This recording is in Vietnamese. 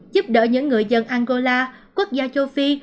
giúp đỡ những người dân angola quốc gia châu phi